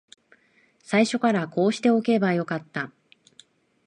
最初からこうしておけばよかった